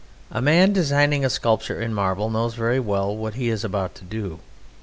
A man designing a sculpture in marble knows very well what he is about to do.